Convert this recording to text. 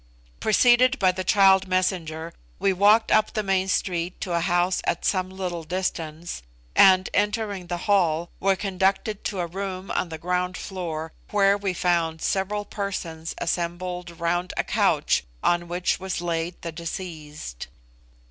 Preceded by the child messenger, we walked up the main street to a house at some little distance, and, entering the hall, were conducted to a room on the ground floor, where we found several persons assembled round a couch on which was laid the deceased.